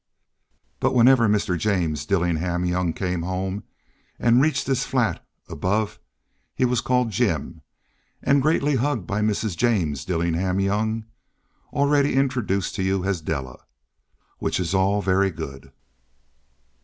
But whenever Mr. James Dillingham Young came home and reached his flat above he was called "Jim" and greatly hugged by Mrs. James Dillingham Young, already introduced to you as Della. Which is all very good.